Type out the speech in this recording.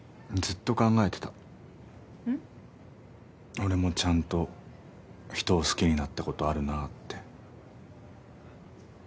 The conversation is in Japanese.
俺もちゃんと人を好きになったことあるなって。